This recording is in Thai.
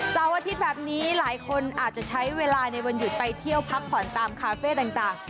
เสาร์อาทิตย์แบบนี้หลายคนอาจจะใช้เวลาในวันหยุดไปเที่ยวพักผ่อนตามคาเฟ่ต่าง